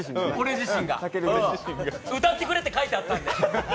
歌ってくれって書いてあったんで。